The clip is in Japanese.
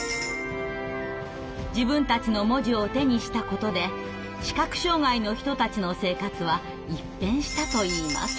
自分たちの文字を手にしたことで視覚障害の人たちの生活は一変したといいます。